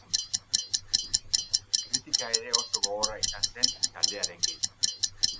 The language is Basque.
Kritika ere oso gogorra izan zen taldearekin.